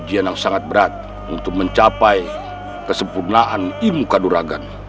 jangan berbangga dengan apa yang kau capai